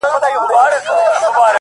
• لا یې خوله وي د غلیم په کوتک ماته,,!